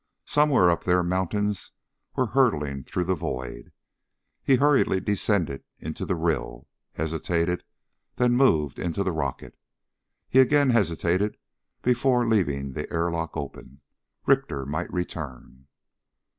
Somewhere up there mountains were hurtling through the void. He hurriedly descended into the rill, hesitated, then moved into the rocket. He again hesitated before leaving the airlock open. Richter might return.